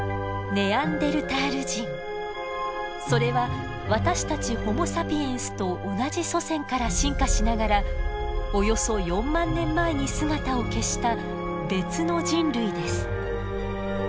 それは私たちホモ・サピエンスと同じ祖先から進化しながらおよそ４万年前に姿を消した別の人類です。